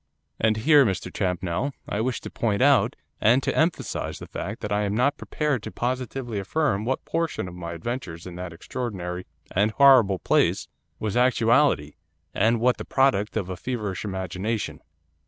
'And, here, Mr Champnell, I wish to point out, and to emphasise the fact, that I am not prepared to positively affirm what portion of my adventures in that extraordinary, and horrible place, was actuality, and what the product of a feverish imagination.